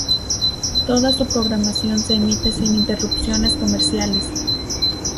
Toda su programación se emite sin interrupciones comerciales.